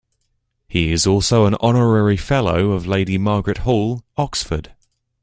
He is also an Honorary Fellow of Lady Margaret Hall, Oxford.